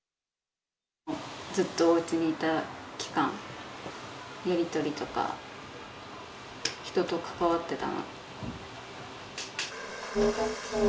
ずっとおうちにいた期間、やり取りとか、人と関わってたの？